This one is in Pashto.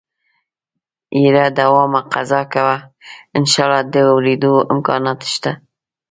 يره دوا مه قضا کوه انشاالله د اورېدو امکانات شته.